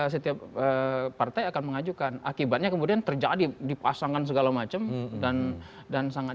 setiap partai akan mengajukan akibatnya kemudian terjadi dipasangkan segala macam dan dan sangat